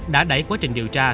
đã đẩy quá trình điều tra